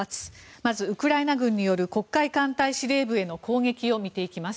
まず、ウクライナ軍による黒海艦隊司令部への攻撃を見ていきます。